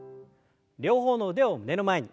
両方の腕を胸の前に。